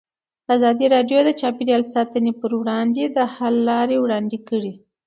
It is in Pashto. ازادي راډیو د چاپیریال ساتنه پر وړاندې د حل لارې وړاندې کړي.